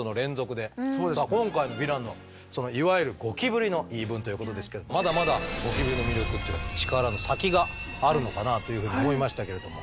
今回のヴィランのいわゆるゴキブリの言い分ということですけどまだまだゴキブリの魅力っていうか力の先があるのかなあというふうに思いましたけれども。